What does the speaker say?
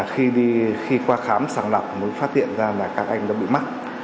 khi qua khám sàng lọc mới phát hiện ra là các anh đã bị mắc